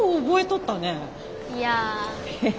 いや。